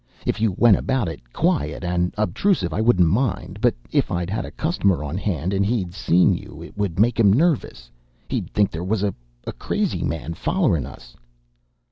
If you went about it quiet and unobtrusive, I wouldn't mind; but if I'd had a customer on hand and he'd seen you it would make him nervous. He'd think there was a a crazy man follerin' us."